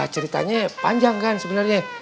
ceritanya panjang kan sebenarnya